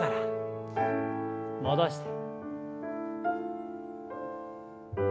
戻して。